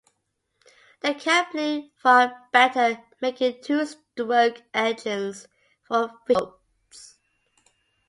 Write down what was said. The company fared better making two-stroke engines for fishing boats.